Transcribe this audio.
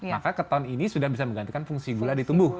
maka keton ini sudah bisa menggantikan fungsi gula di tubuh